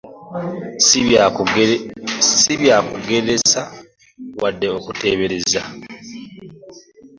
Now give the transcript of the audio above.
Si bya kugereesa wadde okuteebereza.